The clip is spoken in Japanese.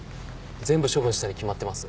全部処分したに決まってます。